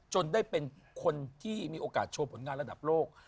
ได้เป็นคนที่มีโอกาสโชว์ผลงานระดับโลก